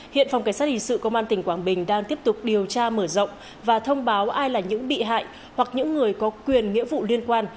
hiện phòng cảnh sát hình sự công an tỉnh quảng bình đang tiếp tục điều tra mở rộng và thông báo ai là những bị hại hoặc những người có quyền nghĩa vụ liên quan